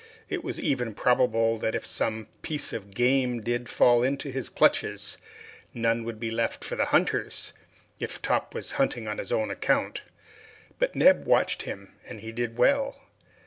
It was even probable that if some piece of game did fall into his clutches, none would be left for the hunters, if Top was hunting on his own account; but Neb watched him and he did well.